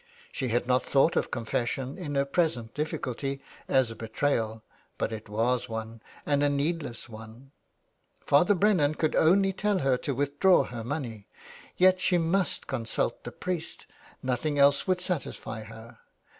She had not thought of confession in her present difficulty as a betrayal, but it was one, and a needless one ; Father Brennan could only tell her to withdraw her money ; yet she must consult the priest — nothing else would satisfy her.